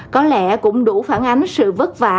có lẽ cũng đủ phản ánh sự vất vả